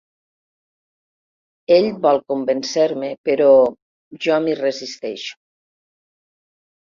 Ell vol convèncer-me, però jo m'hi resisteixo.